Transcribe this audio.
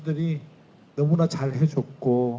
saya ingin memberi pengetahuan kepada para pemain timnas indonesia